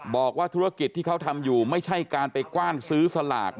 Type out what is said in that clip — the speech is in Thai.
บอกว่าธุรกิจที่เขาทำอยู่ไม่ใช่การไปกว้านซื้อสลาก